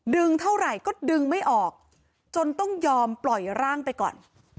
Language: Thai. เท่าไหร่ก็ดึงไม่ออกจนต้องยอมปล่อยร่างไปก่อน